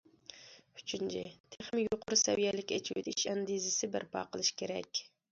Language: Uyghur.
ئۈچىنچى، تېخىمۇ يۇقىرى سەۋىيەلىك ئېچىۋېتىش ئەندىزىسى بەرپا قىلىش كېرەك.